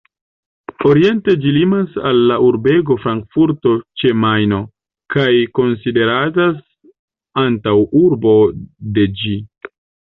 Oriente ĝi limas al la urbego Frankfurto ĉe Majno, kaj konsideratas antaŭurbo de ĝi.